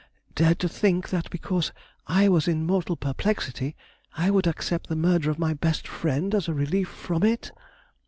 dared to think that, because I was in mortal perplexity, I would accept the murder of my best friend as a relief from it!"